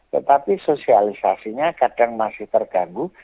tetapi sosialisasinya kadang masih terganggu